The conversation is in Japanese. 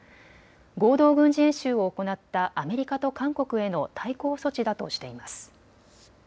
合同軍事演習を行ったアメリカと韓国への対抗措置だとしています。